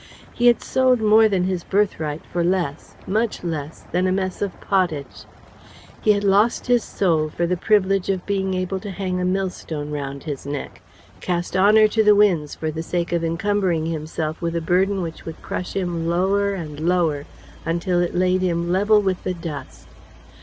He had sold more than his birthright for less much less than a mess of pottage. He had lost his soul for the privilege of being able to hang a millstone round his neck cast honour to the winds for the sake of encumbering himself with a burden which would crush him lower and lower, until it laid him level with the dust.